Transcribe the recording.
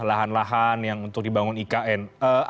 lahan lahan yang untuk dibangun ikn